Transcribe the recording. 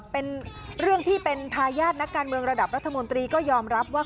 เป็นเรื่องที่เป็นทายาทนักการเมืองระดับรัฐมนตรีก็ยอมรับว่า